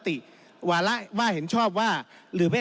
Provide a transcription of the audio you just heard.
ท่านประธานก็เป็นสอสอมาหลายสมัย